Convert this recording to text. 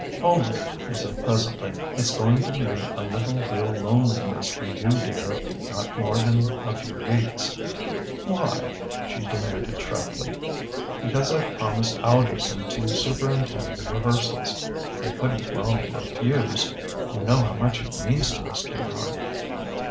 "Only," he said presently, "it's going to mean a little real loneliness for you, dear not more than a few weeks " "Why?" she demanded sharply. "Because I've promised Algerson to superintend the rehearsals. I couldn't well refuse. You know how much it means to us, dear heart."